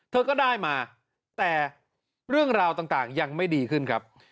เธอก็ได้มาแต่เรื่องราวต่างยังไม่ดีขึ้นครับ